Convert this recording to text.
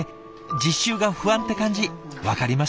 実習が不安って感じ分かります。